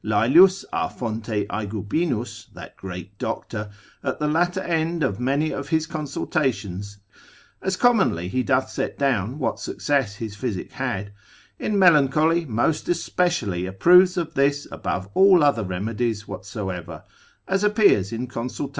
Laelius a Fonte Aegubinus, that great doctor, at the latter end of many of his consultations (as commonly he doth set down what success his physic had,) in melancholy most especially approves of this above all other remedies whatsoever, as appears consult.